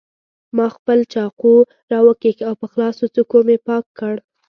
ما خپل چاقو راوکېښ او په خلاصو څوکو مې پاک کړ.